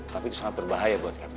tapi itu sangat berbahaya buat kami